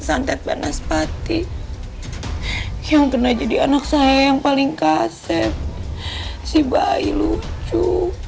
santet banas pati yang kena jadi anak saya yang paling kaset si bayi lucu